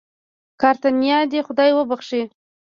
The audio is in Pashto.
کاتېرينا دې خداى وبښي.